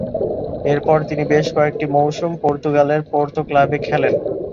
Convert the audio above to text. এরপর তিনি বেশ কয়েকটি মৌসুম পর্তুগালের পোর্তো ক্লাবে খেলেন।